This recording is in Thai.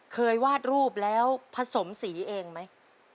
วาดรูปแล้วผสมสีเองไหม